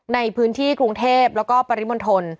ในพื้นที่กรุงเทพแล้วก็ปริมณฑล